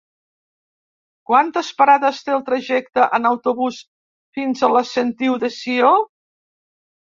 Quantes parades té el trajecte en autobús fins a la Sentiu de Sió?